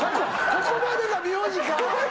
ここまでが苗字か？